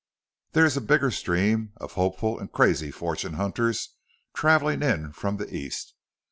There's a bigger stream of hopeful an' crazy fortune hunters travelin' in from the East.